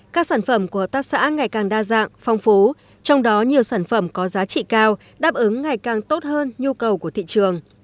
các sản phẩm của tác xã ngày càng đa dạng phong phú trong đó nhiều sản phẩm có giá trị cao đáp ứng ngày càng tốt hơn nhu cầu của thị trường